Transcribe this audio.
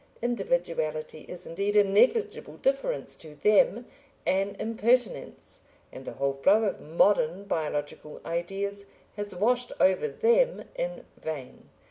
Individuality is indeed a negligible difference to them, an impertinence, and the whole flow of modern biological ideas has washed over them in vain.